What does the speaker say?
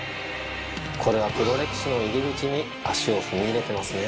これは黒歴史の入り口に足を踏み入れてますね。